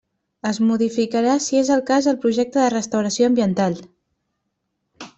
Es modificarà si és el cas el projecte de restauració ambiental.